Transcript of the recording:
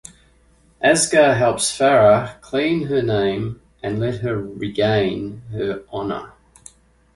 Asghar helps Farah clean her name and let her regain her honor.